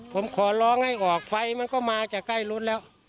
ผมขอร้องให้ออกไฟมันก็มาจากใกล้รถแล้ว